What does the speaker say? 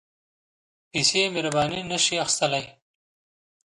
پېسې مهرباني نه شي اخیستلای.